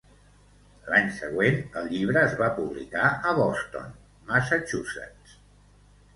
L'any següent, el llibre es va publicar a Boston, Massachusetts.